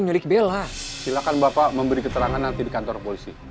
nyerik belas silakan bapak memberi keterangan nanti di kantor polisi